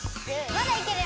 まだいける！